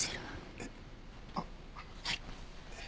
えっあっはい。